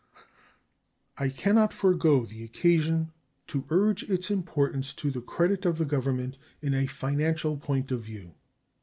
I can not forego the occasion to urge its importance to the credit of the Government in a financial point of view.